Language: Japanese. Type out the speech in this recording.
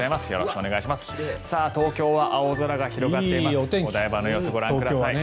お台場の様子ご覧ください。